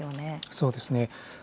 そうですね。